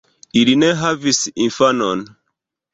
Ili ne havis infanon.